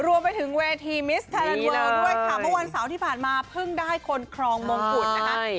รวมไปถึงเวทีมิสแทนเวลด้วยค่ะเมื่อวันเสาร์ที่ผ่านมาเพิ่งได้คนครองมงกุฎนะคะ